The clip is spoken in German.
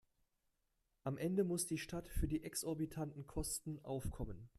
Am Ende muss die Stadt für die exorbitanten Kosten aufkommen.